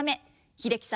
英樹さん